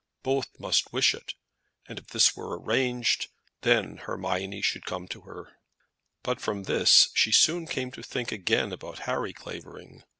Both must wish it; and if this were arranged, then Hermione should come to her. But from this she soon came to think again about Harry Clavering.